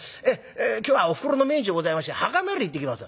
『今日はおふくろの命日でございまして墓参り行ってきます』。